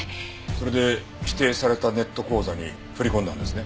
それで指定されたネット口座に振り込んだんですね？